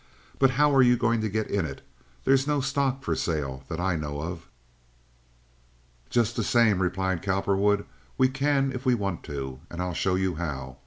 "But how are you to get in it? There's no stock for sale that I know of." "Just the same," said Cowperwood, "we can if we want to, and I'll show you how.